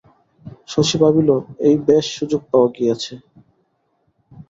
শশী ভাবিল, এই বেশ সুযোগ পাওয়া গিয়াছে।